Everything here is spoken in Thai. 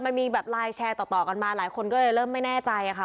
มันมีแบบไลน์แชร์ต่อกันมาหลายคนก็เลยเริ่มไม่แน่ใจค่ะ